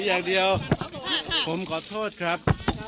ขอบคุณครับ